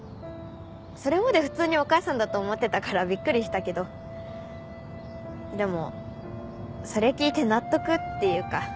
それまで普通にお母さんだと思ってたからびっくりしたけどでもそれ聞いて納得っていうか。